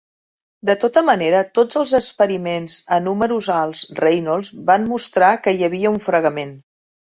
De tota manera, tots els experiments a números alts Reynolds van mostrar que hi havia un fregament.